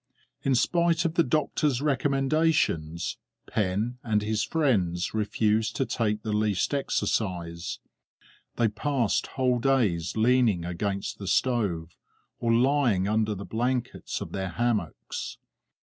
In spite of the doctor's recommendations, Pen and his friends refused to take the least exercise; they passed whole days leaning against the stove or lying under the blankets of their hammocks.